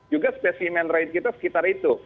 juga spesimen rate kita sekitar itu